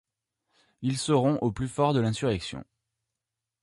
Ils seront au plus fort de l'insurrection.